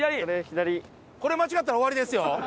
これ間違ったら終わりですよ。